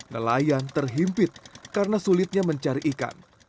nelayan terhimpit karena sulitnya mencari ikan